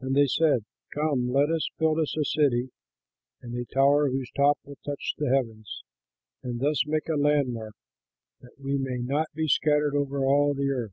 And they said, "Come, let us build us a city, and a tower whose top will touch the heavens, and thus make a landmark, that we may not be scattered over all the earth."